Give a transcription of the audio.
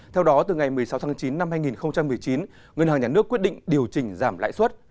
theo đó từ ngày một mươi sáu tháng chín năm hai nghìn một mươi chín ngân hàng nhà nước quyết định điều chỉnh giảm lãi suất